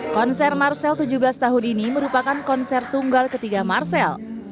konser marcel tujuh belas tahun ini merupakan konser tunggal ketiga marcel